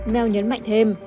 mel nhấn mạnh thêm